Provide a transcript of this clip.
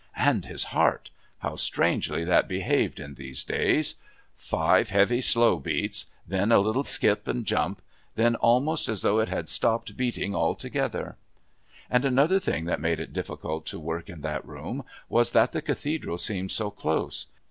And his heart! How strangely that behaved in these days! Five heavy slow beats, then a little skip and jump, then almost as though it had stopped beating altogether. Another thing that made it difficult to work in that room was that the Cathedral seemed so close.